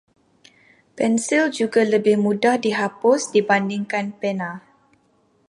Pensil juga lebih mudah dihapus dibandingkan pena.